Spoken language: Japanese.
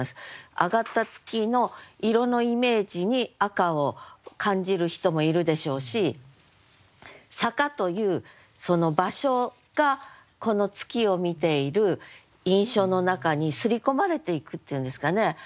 上がった月の色のイメージに赤を感じる人もいるでしょうし坂というその場所がこの月を見ている印象の中にすり込まれていくっていうんですかね。